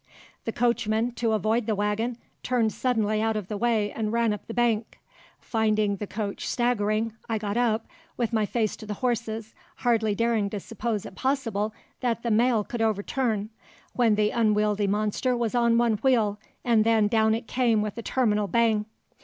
The coachman, to avoid the waggon, turned suddenly out of the way and ran up the bank. Finding the coach staggering, I got up, with my face to the horses, hardly daring to suppose it possible that the Mail could overturn, when the unwieldly monster was on one wheel, and then down it came with a terminal bang.